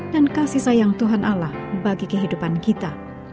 dan kasih sayang tuhan allah bagi kehidupan kita